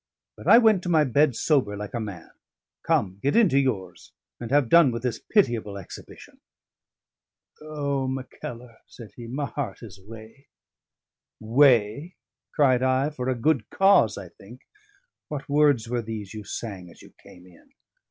But I went to my bed sober like a man. Come: get into yours, and have done with this pitiable exhibition." "O, Mackellar," said he, "my heart is wae!" "Wae?" cried I. "For a good cause, I think. What words were these you sang as you came in?